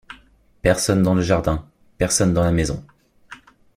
Personne dans le jardin ; personne dans la maison.